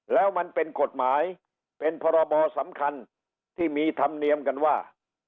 แล้วมันเป็นกฎหมายเป็นพรบสำคัญที่มีธรรมเนียมกันว่า